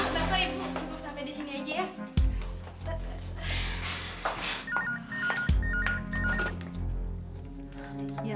cukup sampai disini aja ya